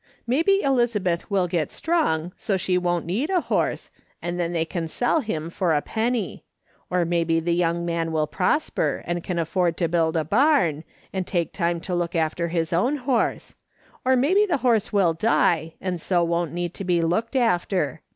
Maybe Eliza beth will get strong, so she won't need a horse, and then they can sell him for a penny ; or maybe the young man will prosper, and can afford to build a barn, and take time to look after his own horse ; or maybe the horse will die, and so won't need to be looked after.